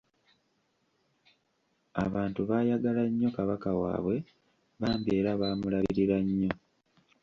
Abantu baayagala nnyo Kabaka waabwe bambi era nga bamulabirira nnyo.